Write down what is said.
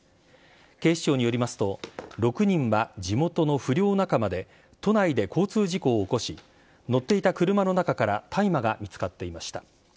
警視庁によりますと、６人は地元の不良仲間で、都内で交通事故を起こし、乗っていた車の中から大麻が見つかっていました。